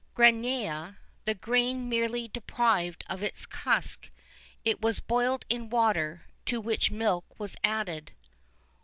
Granea, the grain merely deprived of its husk: it was boiled in water, to which milk was added.